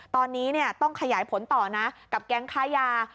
ตอนนี้ต้องขยายผลต่อนะกับแก๊งค้ายา